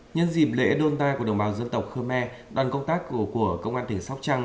nhân dịp lễ đua ta của đồng bào dân tộc khơ me đoàn công tác của công an tỉnh sóc trăng